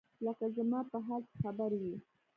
لکه زما پر حال چې خبر وي.